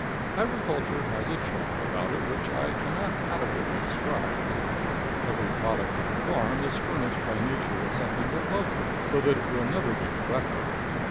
Agriculture has a charm about it which I can not adequately describe. Every product of the farm is furnished by nature with something that loves it, so that it will never be neglected.